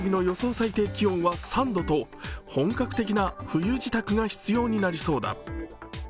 最低気温は３度と本格的な冬支度が必要になりそうだ。